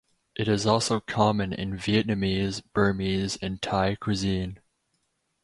It is also common in Vietnamese, Burmese and Thai cuisine.